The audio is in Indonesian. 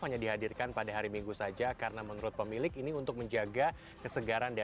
hanya dihadirkan pada hari minggu saja karena menurut pemilik ini untuk menjaga kesegaran